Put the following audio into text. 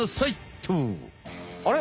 あれ？